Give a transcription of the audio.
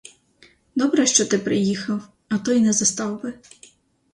Добре, що ти приїхав, а то й не застав би.